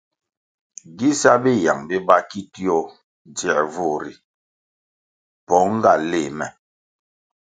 Gi sa biyang biba ki tio dzier vur ri pong nga léh me.